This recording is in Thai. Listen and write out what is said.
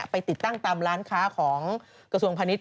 ติดตั้งตามร้านค้าของกระทรวงพาณิชย